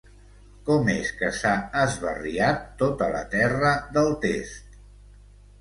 Com és que s'ha esbarriat tota la terra del test?